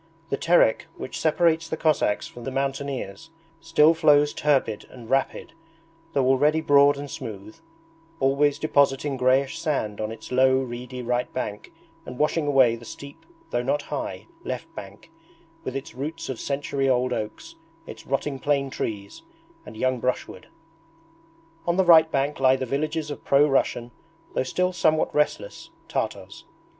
The Terek, which separates the Cossacks from the mountaineers, still flows turbid and rapid though already broad and smooth, always depositing greyish sand on its low reedy right bank and washing away the steep, though not high, left bank, with its roots of century old oaks, its rotting plane trees, and young brushwood. On the right bank lie the villages of pro Russian, though still somewhat restless, Tartars.